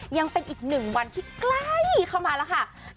ยังเป็นอีกหนึ่งวันที่ใกล้เข้ามาแล้วค่ะ